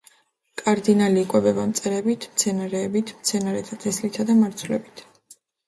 კარდინალი იკვებება მწერებით, მცენარეებით, მცენარეთა თესლითა და მარცვლებით.